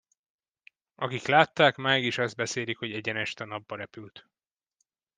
Akik látták, máig is azt beszélik, hogy egyenest a napba repült.